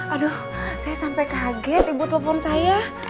aduh saya sampai kaget ibu telepon saya